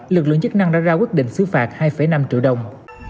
lực lượng chức năng đã ra quyết định xứ phạt hai năm triệu đồng